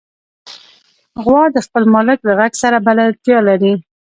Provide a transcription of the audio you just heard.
غوا د خپل مالک له غږ سره بلدتیا لري.